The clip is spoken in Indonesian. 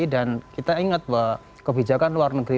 dan kita ingat bahwa kebijakan luar negeri